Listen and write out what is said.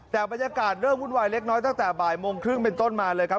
แต่บรรยากาศเริ่มวุ่นวายเล็กน้อยตั้งแต่บ่ายโมงครึ่งเป็นต้นมาเลยครับ